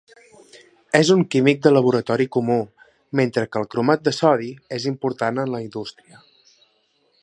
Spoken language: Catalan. És un químic de laboratori comú, mentre que el cromat de sodi és important en la indústria.